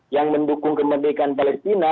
yang mendukung kemerdekaan palestina